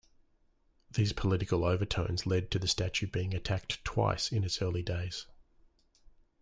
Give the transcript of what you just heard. These political overtones led to the statue being attacked twice in its early days.